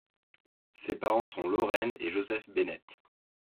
Ses parents sont Lauraine et Joseph Bennett.